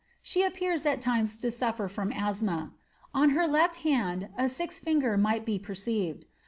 She appeared at times to sufier from asthma. On her left hand a sixth finger might be perceived.